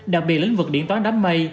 đặc biệt lĩnh vực điện toán đám mây